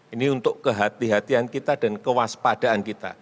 ini untuk kehati hatian kita dan kewaspadaan kita